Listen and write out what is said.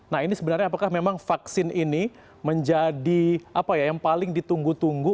nah ini sebenarnya apakah memang vaksin ini menjadi apa ya yang paling ditunggu tunggu